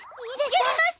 やります！